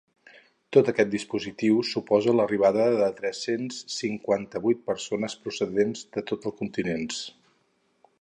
Tot aquest dispositiu suposa l’arribada de tres-cents cinquanta-vuit persones procedents de tots els continents.